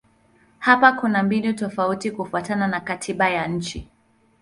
Hapa kuna mbinu tofauti kufuatana na katiba ya nchi.